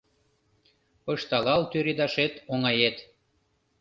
Пышталал тӱредашет оҥает.